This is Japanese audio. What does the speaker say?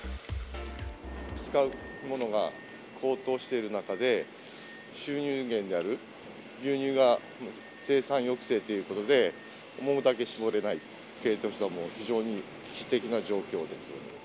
使うものが高騰している中で、収入源である牛乳が生産抑制ということで、思うだけ搾れない、経営としてはもう非常に危機的な状況です。